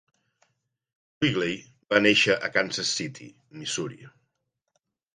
Quigley va néixer a Kansas City, Missouri.